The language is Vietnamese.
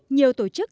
nhiều tổ chức